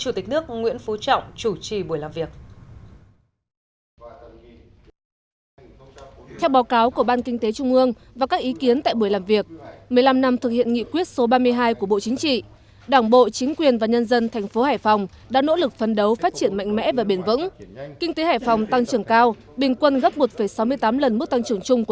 tổng bí thư chủ tịch nước nguyễn phú trọng chủ trì buổi làm việc